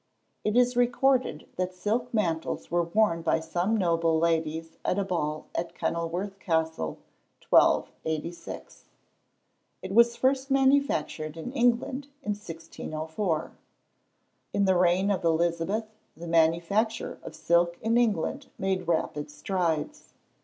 It is recorded that silk mantles were worn by some noble ladies at a ball at Kenilworth Castle, 1286. It was first manufactured in England in 1604. In the reign of Elizabeth, the manufacture of silk in England made rapid strides.